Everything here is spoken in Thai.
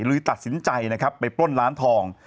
หรือตัดสินใจไปปล้นล้านทอง